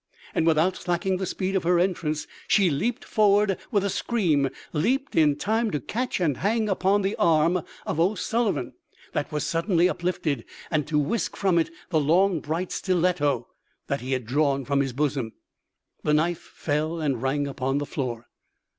And without slacking the speed of her entrance she leaped forward with a scream—leaped in time to catch and hang upon the arm of O'Sullivan that was suddenly uplifted, and to whisk from it the long, bright stiletto that he had drawn from his bosom. The knife fell and rang upon the floor.